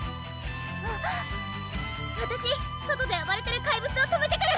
わたし外であばれてる怪物を止めてくる！